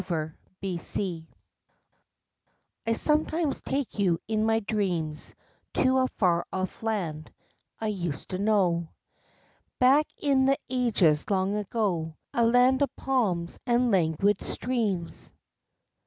VASHTI I sometimes take you in my dreams to a far off land I used to know, Back in the ages long ago; a land of palms and languid streams.